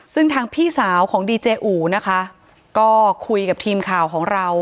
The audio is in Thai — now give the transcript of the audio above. ซึ่งทางพี่สาวของดีเจอูนะคะก็คุยกับทีมข่าวของเรา